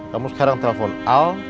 kamu sekarang telepon al